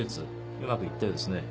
うまくいったようですね。